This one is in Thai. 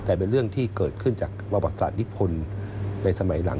แต่เป็นเรื่องที่เกิดขึ้นจากประวัติศาสตร์นิพลในสมัยหลัง